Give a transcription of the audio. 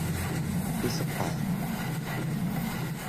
이서방은 첫째가 달려나가서 무슨 행패를 할까 하는 불안에서 이렇게 붙들었던 것이다.